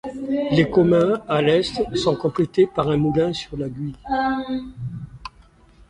Les communs, à l'est, sont complétés par un moulin sur la Guye.